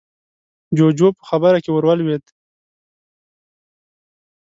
جُوجُو په خبره کې ورولوېد: